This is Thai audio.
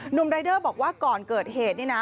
หนุ่มรายเดอร์บอกว่าก่อนเกิดเหตุนี่นะ